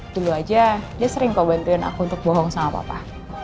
dulu aja dia sering kau bantuin aku untuk bohong sama papa